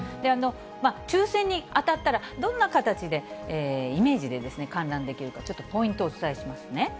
抽せんに当たったら、どんな形でイメージで観覧できるか、ちょっとポイントをお伝えしますね。